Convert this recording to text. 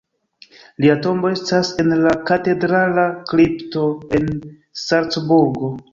Lia tombo estas en la katedrala kripto en Salcburgo.